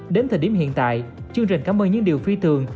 đến thời điểm hiện tại chương trình cảm ơn những điều phi thường